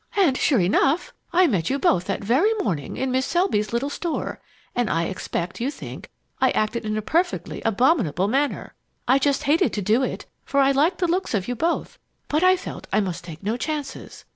"And, sure enough, I met you both that very morning, in Mrs. Selby's little store, and I expect you think I acted in a perfectly abominable manner. I just hated to do it, for I liked the looks of you both, but I felt I must take no chances.